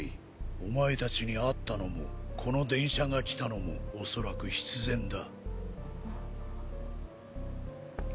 お前たちに会ったのもこの電車が来たのもおそらく必然だ。